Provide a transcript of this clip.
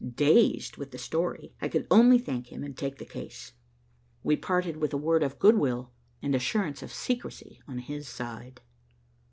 Dazed with the story, I could only thank him and take the case. We parted with a word of good will, and assurance of secrecy on his side.